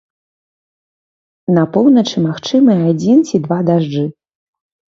На поўначы магчымыя адзін ці два дажджы.